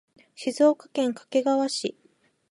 静岡県掛川市